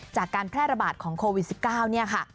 จากการแพร่ระบาดของโควิด๑๙เนี่ยค่ะ